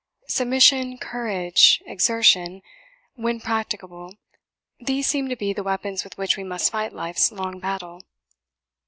Submission, courage, exertion, when practicable these seem to be the weapons with which we must fight life's long battle."